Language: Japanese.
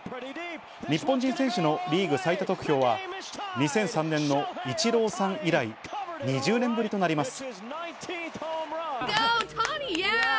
日本人選手のリーグ最多得票は、２００３年のイチローさん以来、２０年ぶりとなります。